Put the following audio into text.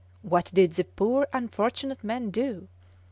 What did the poor unfortunate men do?